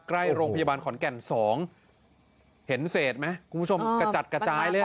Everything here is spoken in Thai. ใกล้โรงพยาบาลขอนแก่นสองเห็นเศษไหมคุณผู้ชมกระจัดกระจายเลย